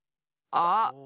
あっ。